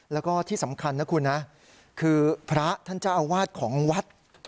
แล้วก็ที่สำคัญนะคุณนะคือพระท่านเจ้าอาวาสของวัด